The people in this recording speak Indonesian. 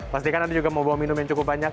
pastikan anda juga mau bawa minum yang cukup banyak